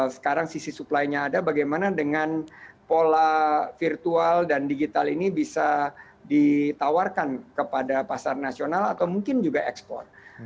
sekarang sisi supply nya ada bagaimana dengan pola virtual dan digital ini bisa ditawarkan kepada pasar nasional atau mungkin juga ekspor